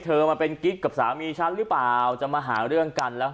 มาเป็นกิ๊กกับสามีฉันหรือเปล่าจะมาหาเรื่องกันแล้ว